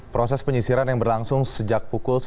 proses penyisiran yang berlangsung sejak pukul